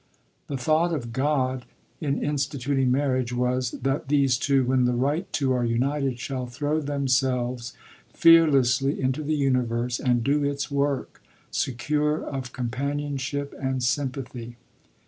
" The thought of God in instituting marriage was "that these two, when the right two are united, shall throw themselves fearlessly into the universe, and do its work, secure of companionship and sympathy."